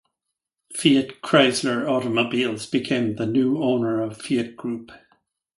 Fiat Chrysler Automobiles became the new owner of Fiat Group.